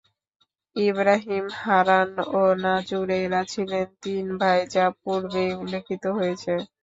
ইবরাহীম, হারান ও নাজুর এরা ছিলেন তিন ভাই যা পূর্বেই উল্লিখিত হয়েছে।